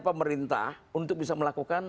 pemerintah untuk bisa melakukan